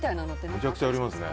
めちゃくちゃありますね。